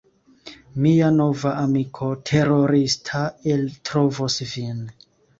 Mia nova amiko terorista eltrovos vin!